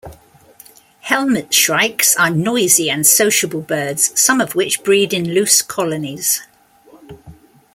Helmetshrikes are noisy and sociable birds, some of which breed in loose colonies.